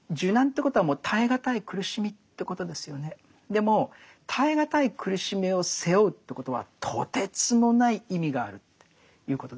でも耐え難い苦しみを背負うということはとてつもない意味があるということですね。